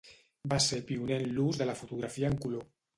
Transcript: Va ser pioner en l'ús de la fotografia en color.